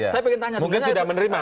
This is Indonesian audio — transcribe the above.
saya pengen tanya sebenarnya